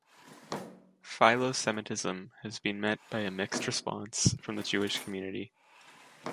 Philo-Semitism has been met by a mixed response from the Jewish community.